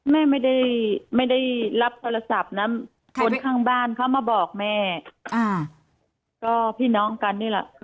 แม่ไม่ได้ไม่ได้รับโทรศัพท์นะคนข้างบ้านเขามาบอกแม่ก็พี่น้องกันนี่แหละ